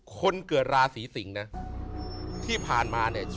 คนเกิดราศีสิงศ์นะที่ผ่านมาเนี่ย